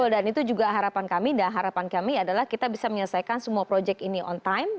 dan itu juga harapan kami dan harapan kami adalah kita bisa menyelesaikan semua proyek ini on time